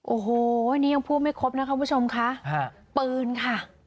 โอ้โหนี่ยังพูดไม่ครบนะคะคุณผู้ชมค่ะปืนค่ะ